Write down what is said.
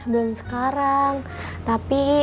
belum sekarang tapi